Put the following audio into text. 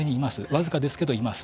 僅かですけどいます。